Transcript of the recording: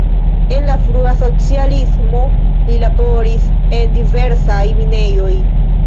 En la frua socialismo li laboris en diversaj minejoj.